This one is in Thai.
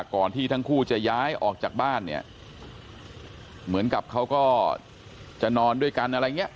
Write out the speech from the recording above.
ก่อนที่ทั้งคู่จะย้ายออกจากบ้านเนี่ยเหมือนกับเขาก็จะนอนด้วยกันอะไรอย่างนี้